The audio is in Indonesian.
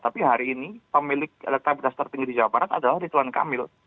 tapi hari ini pemilik elektabilitas tertinggi di jawa barat adalah rituan kamil